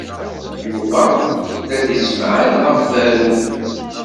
Yuba la d-yessemɛan ɣef berru.